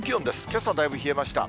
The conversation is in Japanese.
けさはだいぶ冷えました。